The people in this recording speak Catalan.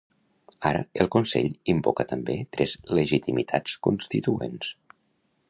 Ara, el consell invoca també tres legitimitats constituents.